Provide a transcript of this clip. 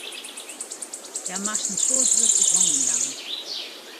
Hja moast in soad wurk út hannen jaan.